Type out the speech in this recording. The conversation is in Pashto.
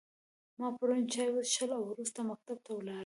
ما پرون چای وچیښلی او وروسته مکتب ته ولاړم